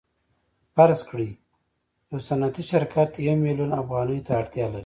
فرض کړئ یو صنعتي شرکت یو میلیون افغانیو ته اړتیا لري